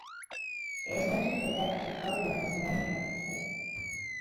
It is noted for the decorative carved lions arranged around its base.